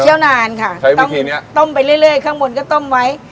เคี่ยวนานค่ะต้มไปเรื่อยข้างบนก็ต้มไว้